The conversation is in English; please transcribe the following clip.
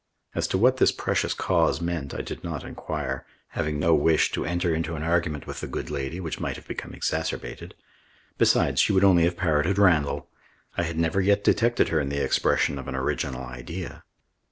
As to what this precious Cause meant I did not enquire, having no wish to enter into an argument with the good lady which might have become exacerbated. Besides, she would only have parroted Randall. I had never yet detected her in the expression of an original idea.